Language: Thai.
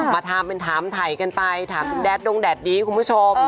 มาทำเป็นถามถ่ายกันไปถามคุณแดดงแดดดีคุณผู้ชม